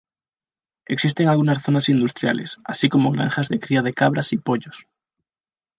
Existen algunas zonas industriales, así como granjas de cría de cabras y pollos.